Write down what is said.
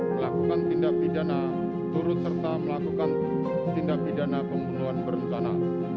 melakukan tindak pidana turut serta melakukan tindak pidana pembunuhan berencana